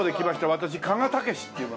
私鹿賀丈史っていう者。